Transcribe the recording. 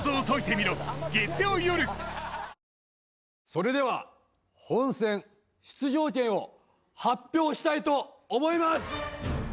それでは本戦出場権を発表したいと思います！